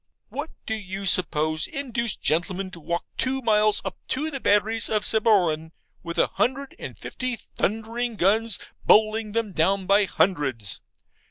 What do you suppose induced gentlemen to walk two miles up to the batteries of Sabroan, with a hundred and fifty thundering guns bowling them down by hundreds?